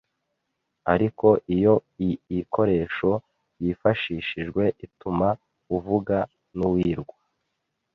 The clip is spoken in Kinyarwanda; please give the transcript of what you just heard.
Ariko iyo iikoresho yifashishijwe ituma uvuga n’uwirwa